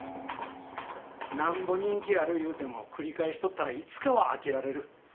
なんぼ人気あるいうても繰り返しとったらいつかは飽きられる。